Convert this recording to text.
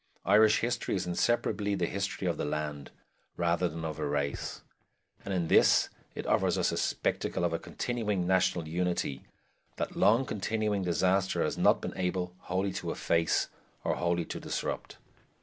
Irish history is inseparably the history of the land, rather than of a race; and in this it offers us a spectacle of a continuing national unity that long continuing disaster has not been able wholly to efface or wholly to disrupt.